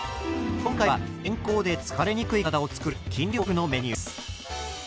今回は健康で疲れにくい体をつくる筋量アップのメニューです。